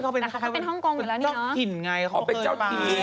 เขาเป็นเจ้าหินไงเขาเคยไป